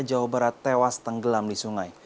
jawa barat tewas tenggelam di sungai